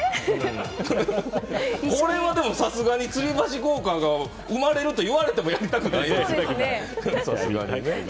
これはでもさすがにつり橋効果が生まれるといわれてもやりたくないですね。